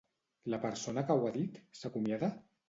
La persona que ho ha dit s'acomiada?